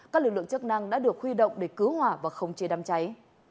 các lực lượng chức năng đã được huy động để cứu hỏa và khống chế đám cháy